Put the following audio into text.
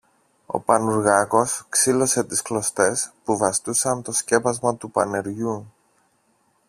Ο Πανουργάκος ξήλωσε τις κλωστές που βαστούσαν το σκέπασμα του πανεριού